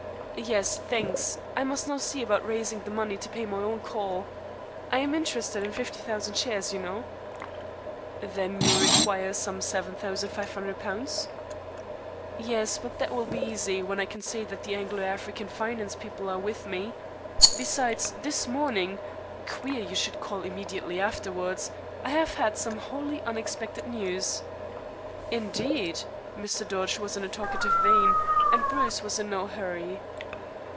"Yes, thanks. I must now see about raising the money to pay my own call. I am interested in fifty thousand shares, you know." "Then you require some £7,500?" "Yes. But that will be easy when I can say that the Anglo African Finance people are with me. Besides, this morning queer you should call immediately afterwards I have had some wholly unexpected news." "Indeed?" Mr. Dodge was in a talkative vein, and Bruce was in no hurry.